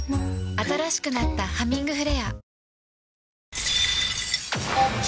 新しくなった「ハミングフレア」